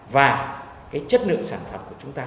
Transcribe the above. và chất lượng sản phẩm của chúng ta